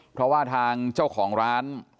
เพราะว่าทางเจ้าของร้าน